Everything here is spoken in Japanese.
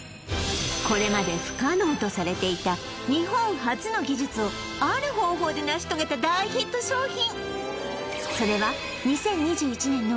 これまで不可能とされていた日本初の技術をある方法で成し遂げた大ヒット商品